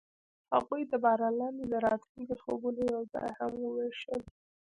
هغوی د باران لاندې د راتلونکي خوبونه یوځای هم وویشل.